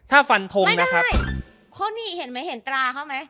ไม่ได้เพราะนี่เห็นไหมเห็นตราเขาไหม